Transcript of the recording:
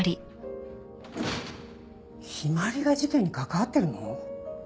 陽葵が事件に関わってるの？